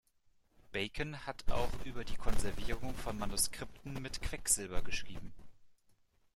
Bacon hat auch über die Konservierung von Manuskripten mit Quecksilber geschrieben.